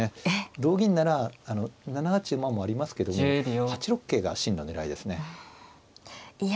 同銀なら７八馬もありますけども８六桂が真の狙いですね。